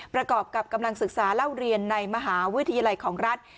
ประกอบกับกำลังศึกษาเล่าเรียนในมหาวิทยาลัยของรัฐ